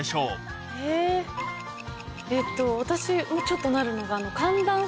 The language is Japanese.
私もちょっとなるのが。